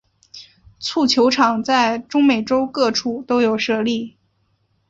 蹴球场在中美洲各处都有设立。